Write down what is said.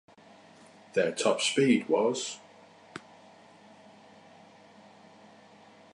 Their top speed was